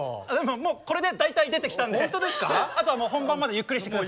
もうこれで大体出てきたんであとはもう本番までゆっくりして下さい。